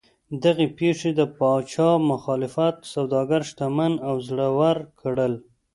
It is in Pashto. دغې پېښې د پاچا مخالف سوداګر شتمن او زړور کړل.